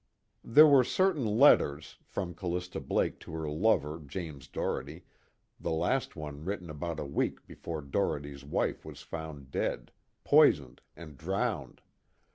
There were certain letters, from Callista Blake to her lover James Doherty, the last one written about a week before Doherty's wife was found dead poisoned and drowned.